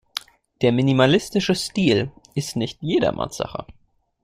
Der minimalistische Stil ist nicht jedermanns Sache.